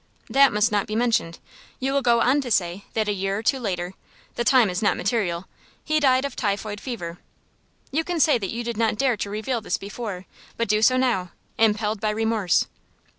"That must not be mentioned. You will go on to say that a year or two later the time is not material he died of typhoid fever. You can say that you did not dare to reveal this before, but do so now, impelled by remorse."